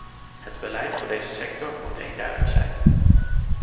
Het beleid voor deze sector moet eenduidig zijn.